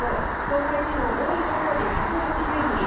東海地方多いところで１８０ミリ